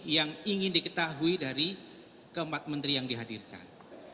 yang ingin diketahui dari keempat menteri yang dihadirkan